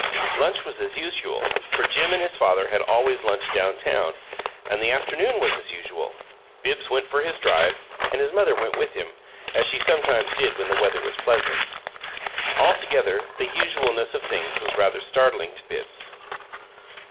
Lunch was as usual for Jim and his father had always lunched down town and the afternoon was as usual. Bibbs went for his drive, and his mother went with him, as she sometimes did when the weather was pleasant. Altogether, the usualness of things was rather startling to Bibbs.